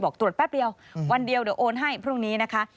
ตรวจแป๊บเดียววันเดียวเดี๋ยวโอนให้พรุ่งนี้นะคะ